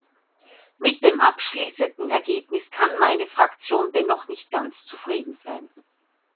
Mit dem abschließenden Ergebnis kann meine Fraktion dennoch nicht ganz zufrieden sein.